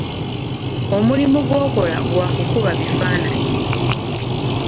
Omulimu gw'akola gwa kukuba bifaananyi.